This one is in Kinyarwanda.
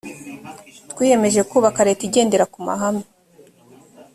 twiyemeje kubaka leta igendera ku mahame